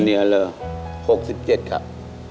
ตอนนี้แล้ว๖๗ครับ